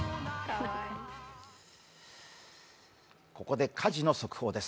ここで火事の速報です。